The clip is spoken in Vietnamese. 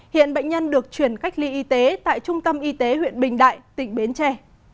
hiện bệnh nhân được chuyển cách ly y tế tại trung tâm y tế huyện bình đại tỉnh bến tre